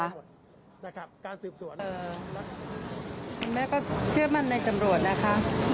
คุณแม่ก็เชื่อมั่นในตำรวจนะคะ